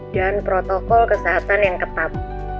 dan protokol kesehatan yang ketat